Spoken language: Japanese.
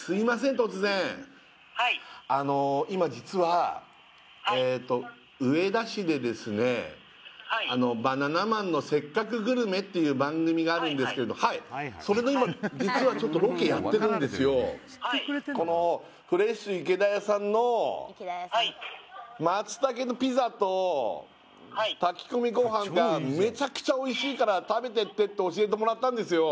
突然☎はいあの今実は☎はい「バナナマンのせっかくグルメ！！」っていう番組があるんですけどそれの今実はちょっとロケやってるんですよこのフレッシュ池田屋さんの松茸のピザと炊き込みごはんがメチャクチャおいしいから食べてってって教えてもらったんですよ